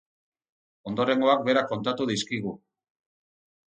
Ondorengoak berak kontatu dizkigu.